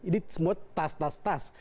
ini semua tas tas tas